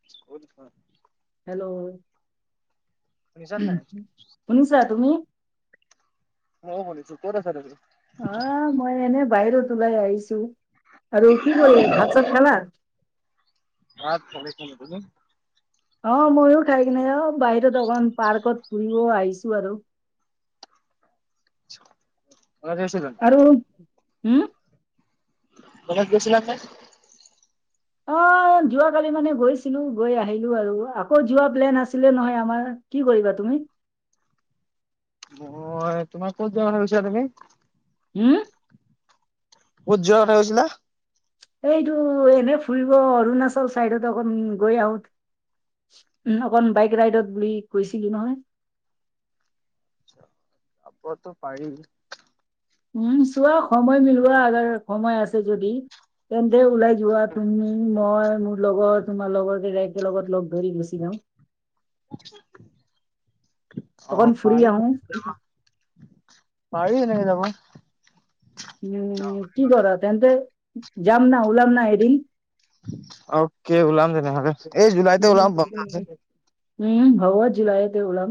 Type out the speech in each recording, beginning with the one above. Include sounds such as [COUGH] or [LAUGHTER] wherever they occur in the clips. [UNINTELLIGIBLE] Hello শুনিছা তুমি? মই শুনিছো। ক'ত আছা তুমি? অ' মই এনে বাহিৰত ওলাই আহিছো। আৰু কি কৰি, ভাত চাত খালা? ভাত বনাই থলো, তুমি? অ' ময়ো খাই কিনে অ' বাহিৰত অকমান পাৰ্কত ফুৰিব আহিছো আৰু। [UNINTELLIGIBLE] আৰু হু? ক'বাত গৈছিলা নে? অ' যোৱাকালি মানে গৈছিলো গৈ আহিলো আৰু, আকৌ যোৱা প্লেন আছিলে নহয় আমাৰ কি কৰিবা তুমি হয় তোমাৰ ক'ত যাব ভাবিছা তুমি। উম। ক'ত যোৱা কথা কৈছিলা? এইটো এনে ফুৰিব অৰুণাচল চাইডত অকন গৈ আহো। উম অকন বাইক ৰাইডত বুলি কৈছিলি নহয়। [UNINTELLIGIBLE] উম চোৱা সময় মিলোৱা আৰ সময় আছে যদি তেন্তে ওলাই। কা তুমি মই মোৰ লগত তোমাৰ লগৰ কেইটাকে লগত লগ দৰি গুচি যাওঁ অ' অকন ফুৰি পাৰি, আহো। পাৰি এনেকে যাব। উম কি কৰা তেন্তে যাম ন ওলাম ন এদিন। অকে ওলাম তেনেহলে এই জুলাইতে ওলাম। উম', হব জুলাইতে ওলাম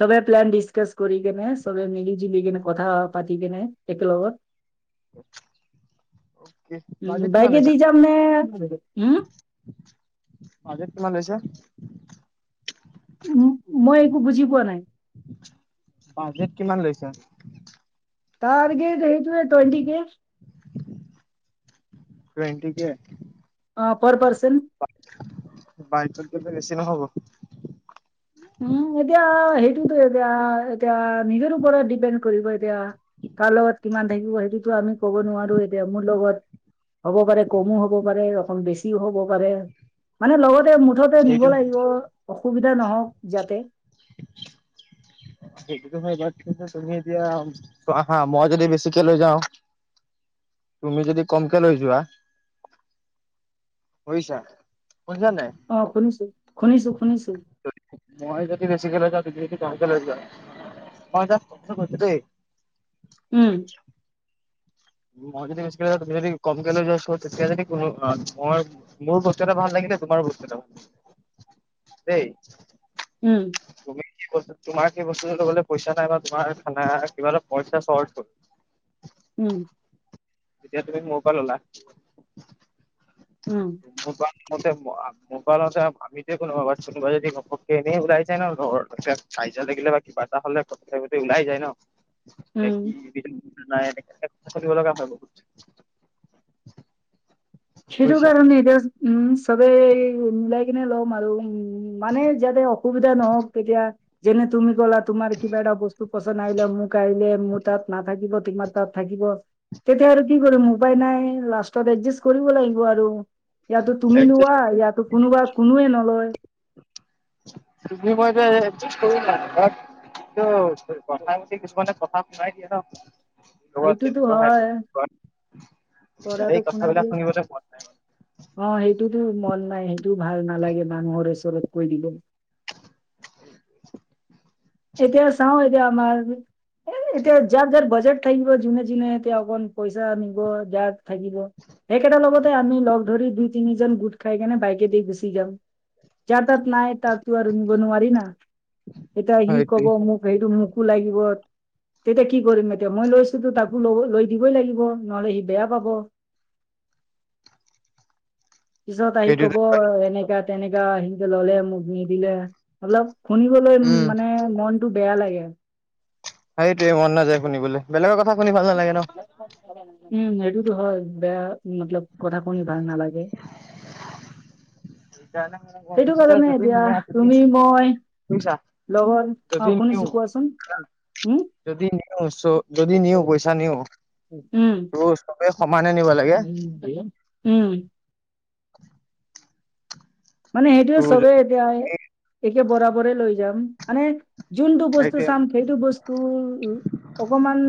সবে প্লান ডিছকছ কৰি কেনে সবে মিলি জুলি কেনে কথা পাতি কেনে একেলগত অ'কে, উ, বাজেট কিমান বাইকে লৈছা? দি যাম নে, উম? অ, দেত কিমান [UNINTELLIGIBLE] উ', মই একো বুজি পোৱা নাই। বাজেট কিমান লৈছা? তাৰগেট সেইটোৱে টুৱেণ্টিকে। টুৱেণ্টিকে অ', পৰ পাৰচন বাইকত গলে বেছি নহ'ব। উম', এতিয়া সেইটোতো এতিয়া-এতিয়া নিজৰ ওপৰত ডিপেণ্ড। কৰিব এতিয়া, কাৰ লগত কিমান থাকিব সেইটোতো আমি কব নোৱাৰো এতিয়া মোৰ লগত। হ'ব পাৰে কমো হ'ব পাৰে অকণ বেছিও হ'ব পাৰে, মানে লগতে মো মুঠতে নিব সেইটো, লাগিব অসুবিধা নহওক যাতে সেইটোতো হয় বাত তুমি এতিয়া, চোৱা হা মই যদি বেছিকে লৈ যাওঁ তুমি যদি কমকে লৈ যোৱা শুইছা, শুনিছা নাই? অ', শুনিছো, শুনিছো, শুনিছো। মই যদি বেছিকে লৈ যাও, তুমি যদি কমকে লৈ যোৱা, মই জাষ্ট কথাটো কৈছোঁ দেই উম', মই যদি বেছিকে লৈ যাওঁ, তুমি যদি কমকে লৈ যোৱা, চ তেতিয়া যদি কোনো মই মোৰো বস্তু এটা ভাল লাগিলে, তোমাৰো বস্তু এটা, দেই উম', তুমি কি বস্তু তোমাৰ কি বস্তুটো লবলে পইচা নাই বা তোমাৰ খানা কিবা এটা পইচা চৰ্ত হল। উম', তেতিয়া তুমি মোৰ পৰা ললা উম', মোৰ পা মতে মোৰ পা লওতে [UNINTELLIGIBLE] কোনোবা যদি ঘপককে ইনা ওলাই যাই ন লগৰ, কাজিয়া লাগিলে বা কিবা এটা হলে [UNINTELLIGIBLE] ওলাই যায় ন? উম। [UNINTELLIGIBLE] শুনিব লগা হয় বহুত [INAUDIBLE] সেইটো বুজিছা। কাৰণ এতিয়া উম', চবেই মিলাই কিনে লম আৰু, উম', মানে যাতে অসুবিধা নহওক তেতিয়া যেনে তুমি ক'লা তোমাৰ কিবা এটা বস্তু পচন্দ আহিলে মোক আহিলে, মোৰ তাত নাথাকিব তোমাৰ তাত থাকিব তেতিয়া আৰু কি কৰিম উপায় নাই, লাষ্টত এডজাষ্ট কৰিব লাগিব আৰু ইয়াতো তুমি লোৱা, ইয়াতো কোনোবা কোনোৱে নলয়। তুমি মই যে এডজাষ্ট কৰি লম, বাত টো কথাই পতি কিছুমানে কথা শুনাই দিয়ে ন? [UNINTELLIGIBLE] সেইটোতো তেনেকুৱা হৈ আছে, হয় বাত পঢ়াটো সেই শুনাটো কথাবিলাক শুনিবতে মন নাই অ সেইটোতো মন নাই, সেইটোও ভাল নালাগে মানুহৰ ওৰত কৈ দিব এতিয়া চাওঁ এতিয়া আমাৰ এ এতিয়া যাক যাক বাজেট থাকিব যোনে যোনে এতিয়া অকন পইচা নিব যাক থাকিব। সেই কেইটাৰ লগতে আমি লগ ধৰি দুই-তিনিজন গোট খাই কেনে বাইকে দি গুচি যাম। যাৰ তাত নাই তাৰটো আৰু নিব নোৱাৰি না। এতিয়া সি মানে। ক'ব সেইটোৱে মোক হেইটো মোকো লাগিব তেতিয়া কি কৰিম এতিয়া মই লৈছোতো তাকো লব লৈ দিবই লাগিব নহলে সি বেয়া পাব। পিছত আহি সেইটোৱে কব এনেকা তেনেকা সিনকে ললে মোক নিদিলে, অলপ শুনিবলৈ উম মানে মনতটো বেয়া লাগে। সেইটোৱে মন নাযায় শুনিবলে, বেলেগৰ কথা শুনি ভাল নালাগে ন। উম', এইটোতো হয়, বেয়া মতলব কথা শুনি ভাল নালাগে। [INAUDIBLE] সেইকাৰণে মানে মই সেইটো কৈছোঁ যে কাৰণে জুবিন এতিয়া মিঞা আছে বুলি। তুমি মই শুনিছা লগৰ, অ, শুনিছোঁ কোৱাচোন, উম যদি নিয়ছৌ যদি নিও পইচা নিও, উম তোৰ চবে সমানে নিব লাগে [INAUDIBLE] উম মানে সেইটোয়ে তোৰ চবে যদি এতিয়াএ, একে বৰাবৰে লৈ যাম, মানে যোনটো বস্তু সেইটোৱে চাম সেইটো বস্ তোৰ-ওৰ, অকমান,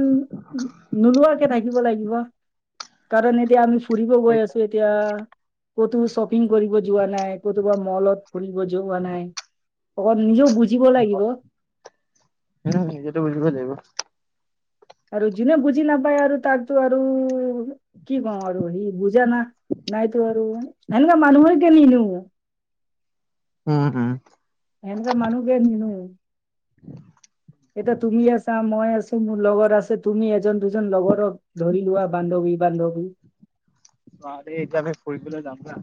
নোলোৱাকে থাকিব লাগিব কাৰণ এতিয়া আমি ফুৰিব গৈ আছো এতিয়া, ক'তো শ্বপিং কৰিব যোৱা নাই। কতোবা মলত ফুৰিব যোৱা নাই, অকন নিজেও বুজিব লাগিব। উম, নিজেটো বুজিব লাগিব। আৰু যোনে বুজি নাপায় আৰু তাকতো আৰু কি কওঁ আৰু সি বুজা না, নাইটো আৰু সেনেকুৱা মানুহৰকে নি-নিও। উম-উম, এনেকুৱা মানুহকে নি-নিও। এতিয়া তুমি আছা মই আছোঁ মোৰ লগৰ আছে তুমি এজন দুজন লগৰক ধৰি লোৱা বান্ধৱী-বান্ধৱী অ দেই এইতু আমি ফুৰিবলৈ যাম হা,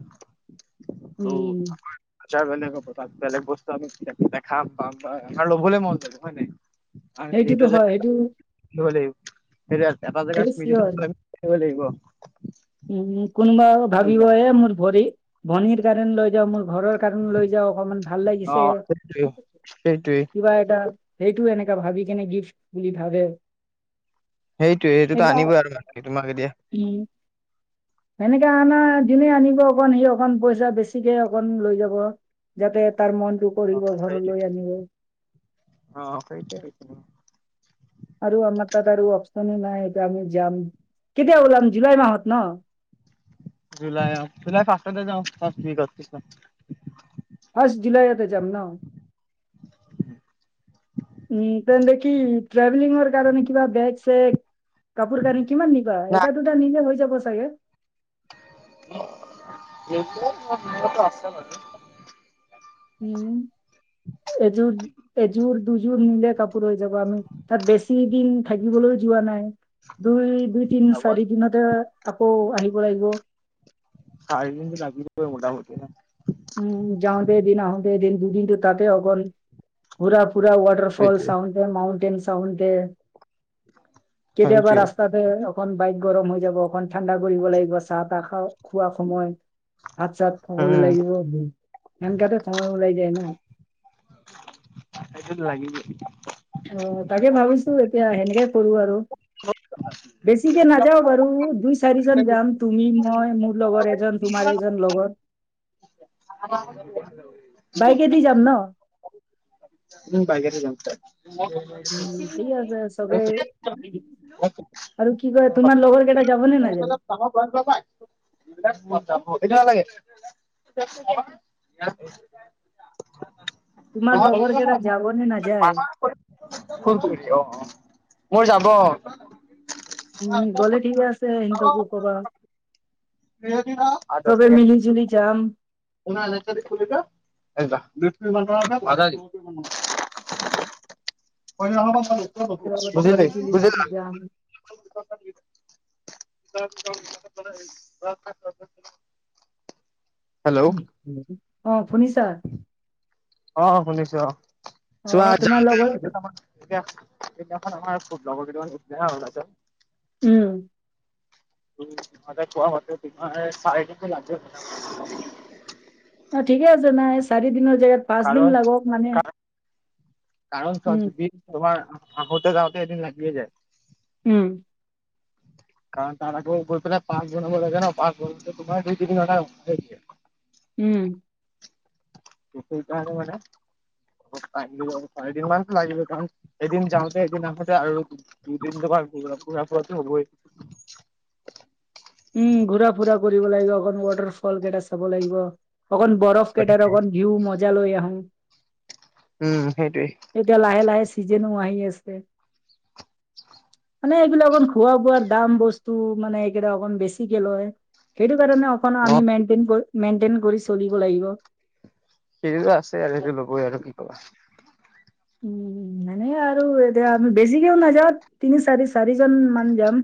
তু উম আচ্ছা বেলেগৰ বতাহ বেলেগ বস্তু আমি একো নেখাম আমাৰ, আমাৰ ল'বলৈ মন যাব হয় নাই? আৰু সেইটোতো সেইটো যেন হয় কিবা, নহ'লে এইবোৰ এতিয়া এটা জেগা সেইটো স্মৃতিটো থাকিব লাগিব, থাকিব লাগিব উম-উম কোনোবা আকৌ ভাবিব এ মোৰ ভৰি, ভনীৰ কাৰণে লৈ যাওঁ মোৰ ঘৰৰ কাৰণ লৈ যাওঁ অকমান ভাল অ লাগিছে, সেইটোৱে ঠিক আছে, সেইটোৱে কিবা এটা সেইটো এনেকা ভাবি কেনে গিফ্ট, বুলি ভাবে। সেইটোৱে, সেইটোতো এটা আনিবই আৰু মানুহে তোমাক এতিয়া উম সেনেকে আনা দিনে আনিব অকণ সি অকণ পইচা বেছিকে অকন লৈ যাব। যাতে তাৰ মনটো অ কৰিব সেইটোৱে ঘৰলৈ আনিব। অ, সেইটোৱে বেষ্ট তোমাৰ। আৰু আমাৰ তাত আৰু অপচনে নাই এতিয়া আমি যাম, কেতিয়া ওলাম? জুলাই মাহত ন? জুলাই অ, জুলাই ফাষ্টতে যাওঁ ফাষ্ট ৱিকত কিষ্ণ। ফাৰ্ষ্ট জুলাইয়তে যাম ন? উম তেন্তে কি ট্ৰাভেলিংৰ কাৰণে কিবা বেগ-চেগ কাপোৰ-কানি কিমান নিবা নাই এটা-দুটা নিলে হৈ যাব চাগে? দেইটতো মোৰ মনত আছে বাৰু উম, এযুৰ, এযুৰ দুযোৰ নিলে কাপোৰ হৈ যাব আমি, তাত বেছি দিন থাকিবলৈ যোৱা নাই। দুই, বাৰু দুই-তিন-চাৰি দিনতে, আকৌ আহিব লাগিব। চাৰি দিনতো লাগিবই মোটা-মোটি ন? উম, যাওঁতেদিন আহোতে এদিন দুদিনটো তাতে অকল, ঘুৰা-ফুৰা ৱাটাৰ ফল সেইটোৱে চাওঁনটেন-মাউনতেন চাওঁতে, কেতিয়াবা সেইটোৱে ৰাস্তাত। তে, অকন বাইক গৰম হৈ যাব অকন ঠাণ্ডা কৰিব লাগিব চাহ-তাহ খাওঁ, খোৱা সময়ইত। ভাত-চাত খাবলৈ উম লাগিব হয়, সেনকেতো সময় ওলাই যায় না সেইটোত লাগিবই। অ, তাকে ভাবিছো এতিয়া সেনেকে কৰো আৰু বেছিকে নাযাও বাৰু, দুই-চাৰিজন যাম। তুমি মই মোৰ লগৰ এজন তোমাৰ এজন লগৰ। [UNINTELLIGIBLE] বাইকে দি যাম ন। উম, বাগেৰে যাম। উ, থিক আছে চবে আৰু কি কয় তোমাৰ লগৰ কেইটা যাব নে নাযায়। গ, বি ম যাম কেইটা লাগে। [INAUDIBLE] [INAUDIBLE] অ, তোমাৰ লগৰ কেইটা যাব নে নাযায় অ, মোৰ যাব। গ'লে ঠিক আছে এহত কো ক'বা। চেব মিলি জুলি যাম। [UNINTELLIGIBLE] হ'ব চ মিলি বুজিলি জুলি বুজিলা। যাম [UNINTELLIGIBLE] হেল্ল' অ, সুনিচা। অ, শুনিছো অ, অ চোৱা তোমাৰ লগৰ এতিয়া সেইদিনাখন আমাৰ ফুট লগৰ কেইটান আহিছিলে হা ওলাইছে। উম, [UNINTELLIGIBLE] অ, ঠিকে আছে নাই চাৰিদিনৰ জেগাত পাঁচ কাৰণ দিন লাগক মানে। কাৰণ চোৱা উম তোমাৰ আহোতে জাওতে এদিন লাগে যায়। উম, কাৰণ তাৰ আকৌ গৈ পেলাই পাঁচ বনাব লাগে ন পাঁচ বন তোমাৰ দুই তিনি। উম, সেই, কাৰণ মানে। চাৰিদিন মত লাগিব কাৰণ এদিন যাওঁতে এদিন আহোতে আৰু। দুদিন তোমাৰ ঘোৰা ফোৰাটো হ'বই। উম, ঘূৰা ফুৰা কৰিব লাগিব অক ৱাটাৰ ফল কেইটা চাব লাগিব অকণ বৰফ। চ, কেইটাৰ অকণ ভিউ মজা লৈ আহো। উম, সেইটোৱেই। এতিয়া লাহে লাহে চিজনো আহি আছে। মানে এইবিলাক অকণ খোৱা বোৱাৰ দাম বস্তু মানে এইকেইটা অকণ। বেছি কে লয় সেইটো কাৰণে অকন‌ অ আমি মেনটেন কৰি চলিব লাগিব। সেৰিতো আছে আৰু সেইটো ল'বই আৰু কি ক'বা উম, উম, এনে আৰু এতিয়া আমি বেছিকেও নাযাত তিনি চাৰি চাৰি জন মান যাম।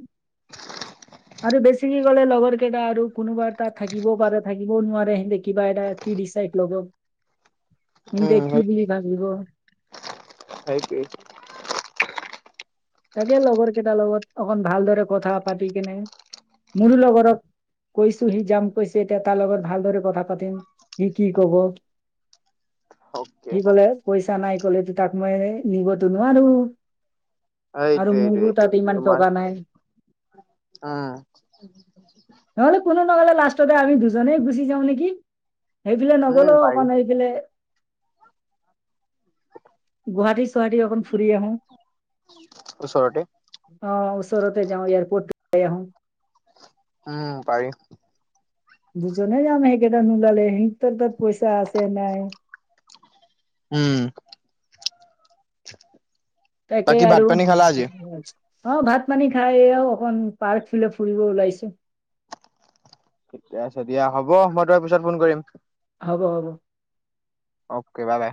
আৰু বেছিক কি ক'লে লগৰ কেইটা আৰু কোনোবাৰ তাত থাকিবও পাৰে থাকিবও নোৱাৰে সিহতে কিবা এটা। কি ডিচাইড লব কি বুলি ভাবিব। সেইটোৱেই। তাকে লগৰ কেইটাৰ লগত অক ভালদৰে কথা পাতি কেনে। মোৰো লগৰত কৈছোহি যাম। কৈছে এতিয়া তাৰ লগত ভালদৰে কথা পাতিম সি কি কব। অকে সি ক'লে পইচা নাই ক'লেতো তাক মই নিবতো নোৱাৰো। আৰু সেইটোৱেই মোৰো তাত ইমান উম। টকা নাই নহ'লে কোনো নহ'লে লাষ্টতে আমি দুজনেই গুচি যাওঁ নেকি? সেইফালে উম নগলোওঁ পাৰি অকণ সেই গে গুৱাহাটী চুৱাহাৰী অকণ ফুৰি আহোঁ। ওচৰতেই। অ', ওচৰতে যাওঁ এয়াৰপৰ্টাই আহোঁ। উম, পাৰি। দুজনে যাম সেইকেইটা নোলালে সিহঁতৰ তাত পইচা আছে নাই। উম। তাকে বাকী ভাত আৰু। পানী খালা আজি? অ', ভাত পানী খাই আৰু অকন পাৰ্ক ফুলে ফুৰিব ওলাইছো। ঠিকে আছে দিয়া হ'ব মই তোক পিছত ফোন কৰিম। হ'ব, হ'ব। অকে বাই, বাই।